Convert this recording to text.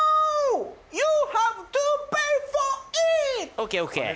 ＯＫＯＫ。